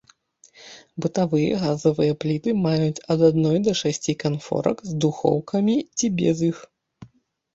Бытавыя газавыя пліты маюць ад адной да шасці канфорак, з духоўкамі ці без іх.